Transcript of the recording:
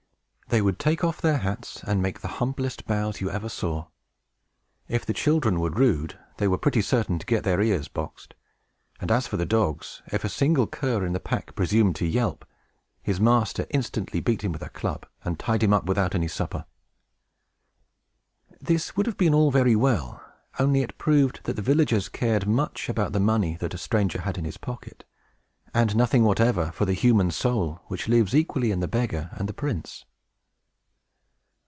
They would take off their hats, and make the humblest bows you ever saw. If the children were rude, they were pretty certain to get their ears boxed; and as for the dogs, if a single cur in the pack presumed to yelp, his master instantly beat him with a club, and tied him up without any supper. This would have been all very well, only it proved that the villagers cared much about the money that a stranger had in his pocket, and nothing whatever for the human soul, which lives equally in the beggar and the prince.